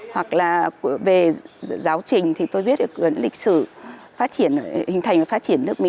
hoặc là về giáo trình thì tôi viết về lịch sử hình thành và phát triển nước mỹ